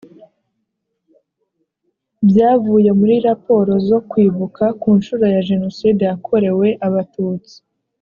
byavuye muri raporo zo kwibuka ku nshuro ya jenoside yakorewe abatutsi